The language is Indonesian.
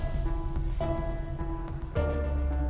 masih dalam tahap penyelidikan